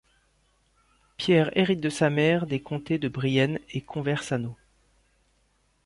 Pierre hérite de sa mère des comtés de Brienne et Conversano.